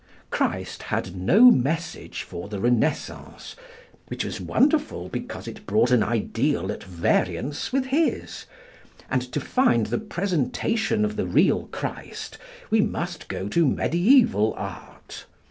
Christ had no message for the Renaissance, which was wonderful because it brought an ideal at variance with his, and to find the presentation of the real Christ we must go to mediæval art.